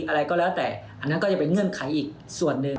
อะไรก็แล้วแต่อันนั้นก็จะเป็นเงื่อนไขอีกส่วนหนึ่ง